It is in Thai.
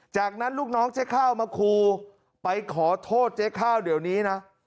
จากนั้นลูกน้องเจ๊ข้าวมาครูไปขอโทษเจ๊ข้าวเดี๋ยวนี้นะ